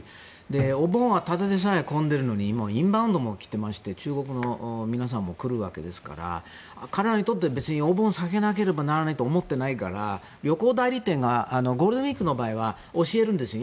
お盆はただでさえ混んでいるのに今、インバウンドも起きていて中国の皆さんも来るわけですから彼らにとってはお盆を避けなければならないと思っていないから旅行代理店がゴールデンウィークの場合は教えるんですよ。